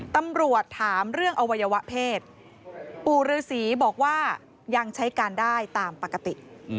ตำรวจถามเรื่องอวัยวะเพศปู่ฤษีบอกว่ายังใช้การได้ตามปกติ